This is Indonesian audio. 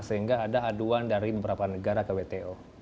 sehingga ada aduan dari beberapa negara ke wto